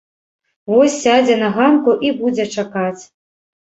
Вось сядзе на ганку і будзе чакаць.